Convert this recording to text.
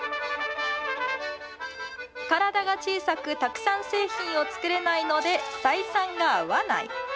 体が小さく、たくさん製品を作れないので、採算が合わない。